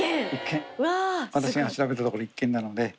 私が調べたところ１軒なので。